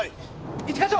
一課長！